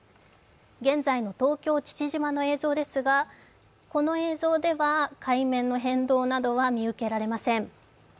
現在の東京・父島の映像ですが、この映像では海面の変動などは見受けられません。